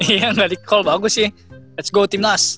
iya ga di call bagus sih lets go timnas